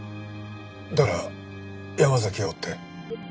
だから山崎を追って。